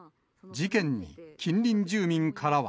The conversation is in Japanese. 事件に、近隣住民からは。